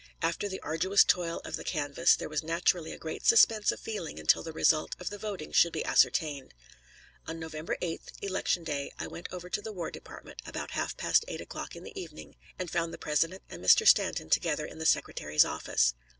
After the arduous toil of the canvass, there was naturally a great suspense of feeling until the result of the voting should be ascertained. On November 8th, election day, I went over to the War Department about half past eight o'clock in the evening, and found the President and Mr. Stanton together in the Secretary's office.